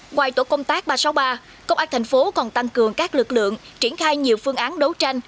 ngoài tổ công tác ba trăm sáu mươi ba công an thành phố còn tăng cường các lực lượng triển khai nhiều phương án đấu tranh